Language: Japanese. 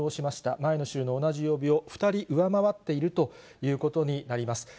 前の週の同じ曜日を２人上回っているということになります。